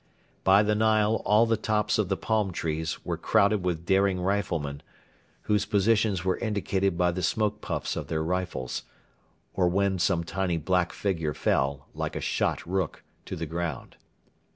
By the Nile all the tops of the palm trees were crowded with daring riflemen, whose positions were indicated by the smoke puffs of their rifles, or when some tiny black figure fell, like a shot rook, to the ground.